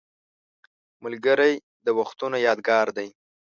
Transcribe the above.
ملګری د وختونو یادګار دی